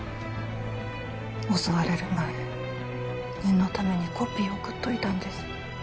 襲われる前念のためにコピー送っといたんです